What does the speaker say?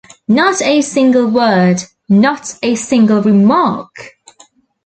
Not a single word, not a single remark!